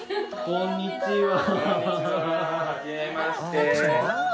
こんにちは。